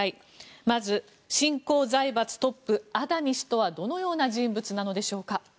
まず、新興財閥トップアダニ氏とはどのような人物なのでしょうか。